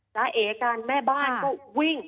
เอกันแม่บ้านก็วิ่ง